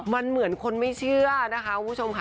มันเหมือนคนไม่เชื่อนะคะ